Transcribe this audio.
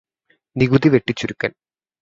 നികുതി വെട്ടിച്ചുരുക്കൽ